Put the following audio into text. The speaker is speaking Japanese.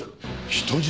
人質？